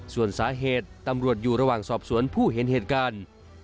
ส่วนสาเหตุตำรวจอยู่ระหว่างสอบสวนผู้เห็นเหตุการณ์